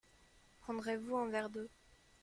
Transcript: Prendrez-vous un verre d’eau.